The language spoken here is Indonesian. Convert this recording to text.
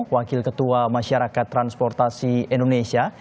wakil ketua masyarakat transportasi indonesia